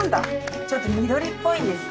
ちょっと緑っぽいんですね。